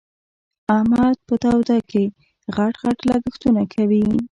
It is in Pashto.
احمد په توده کې؛ غټ غټ لګښتونه کوي.